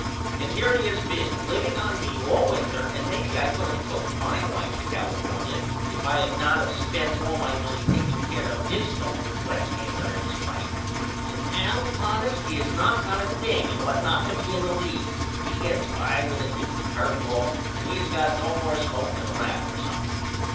And here he has been liveing on me all winter and maybe I could of took my wife to California if I had not of spent all my money takeing care of this no good lefthander and his wife. And Al honest he has not got a thing and ought not to be in the league. He gets by with a dinky curve ball and has not got no more smoke than a rabbit or something.